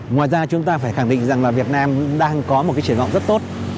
ngoài ra chúng ta phải khẳng định rằng việt nam đang có một trẻ gọn rất tốt